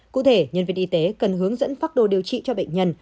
cụ thể nhân viên y tế cần hướng dẫn phác đồ điều trị cho bệnh nhân